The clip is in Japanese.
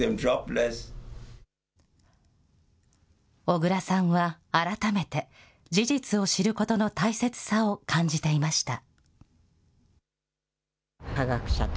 小倉さんは、改めて事実を知ることの大切さを感じていました。